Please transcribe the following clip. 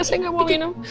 saya enggak mau minum